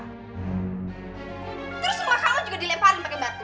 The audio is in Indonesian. terus rumah kamu juga dilemparin pakai batu